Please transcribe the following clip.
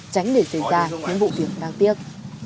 tránh để xảy ra những vụ việc đáng tiếc